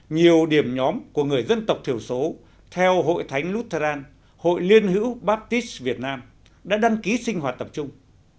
nhiều điểm nhóm của người dân tộc thiểu số theo hội thánh lutheran hội liên hữu baptis việt nam đã đăng ký sinh hoạt tập trung